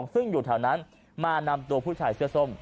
ซึ่งอยู่แถวนั้นมานำตัวผู้ชายเสื้อส้ม